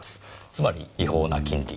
つまり違法な金利。